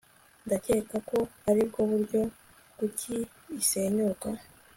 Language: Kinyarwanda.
Ndakeka ko aribwo buryo kuki isenyuka